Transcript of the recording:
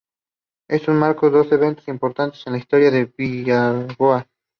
Esto marcó dos eventos importantes en la historia de Billboard.